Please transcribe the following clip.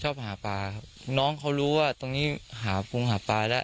ชอบหาปลาครับน้องเขารู้ว่าตรงนี้หากุงหาปลาแล้ว